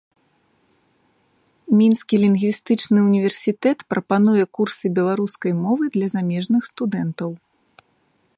Мінскі лінгвістычны універсітэт прапануе курсы беларускай мовы для замежных студэнтаў.